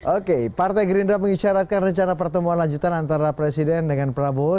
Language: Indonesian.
oke partai gerindra mengisyaratkan rencana pertemuan lanjutan antara presiden dengan prabowo